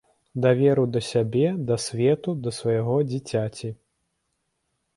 Даверу да сябе, да свету, да свайго дзіцяці.